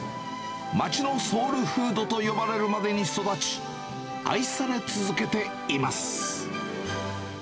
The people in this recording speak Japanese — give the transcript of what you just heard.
町のソウルフードと呼ばれるまでに育ち、愛され続けています。